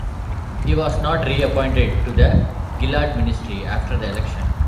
He was not re-appointed to the Gillard Ministry after the election.